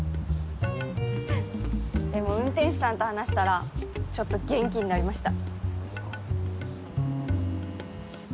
でも運転手さんと話したらちょっと元気になりました。